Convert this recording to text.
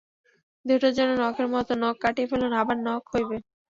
দেহটা যেন নখের মত, নখ কাটিয়া ফেলুন, আবার নখ হইবে।